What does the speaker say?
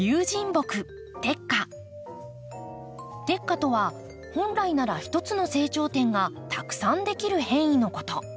「綴化」とは本来なら一つの成長点がたくさんできる変異のこと。